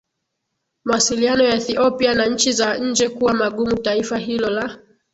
mawasiliano ya Ethiopia na nchi za nje kuwa magumu Taifa hilo la